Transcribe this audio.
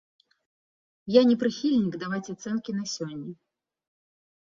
Я не прыхільнік даваць ацэнкі на сёння.